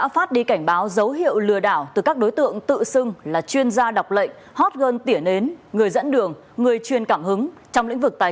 và chỉ cần bạn click điền thông tin hay số điện thoại